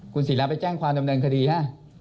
คุณศิราไปแจ้งความดำเนินคดีฮะ